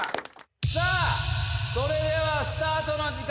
さあそれではスタートの時間だ。